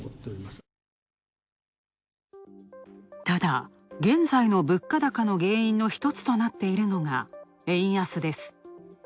ただ現在の物価高の原因の１つとなっているのが円安です。